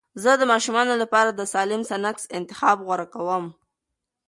زه د ماشومانو لپاره د سالم سنکس انتخاب غوره کوم.